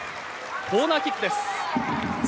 コーナーキックです。